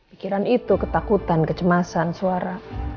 pikiran itu ketakutan kecemasan suara